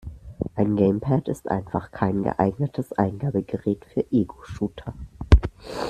Ein Gamepad ist einfach kein geeignetes Eingabegerät für Egoshooter.